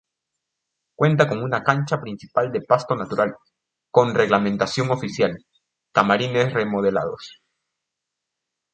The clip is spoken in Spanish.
Cuenta con una cancha principal de pasto natural, con reglamentación oficial, camarines remodelados.